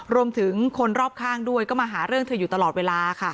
คนรอบข้างด้วยก็มาหาเรื่องเธออยู่ตลอดเวลาค่ะ